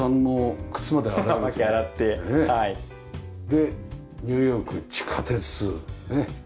でニューヨーク地下鉄。ねえ。